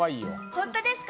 本当ですか？